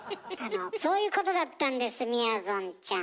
そういうことだったんですみやぞんちゃん。